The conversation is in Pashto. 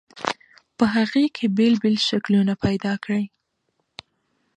په هغې کې بېل بېل شکلونه پیدا کړئ.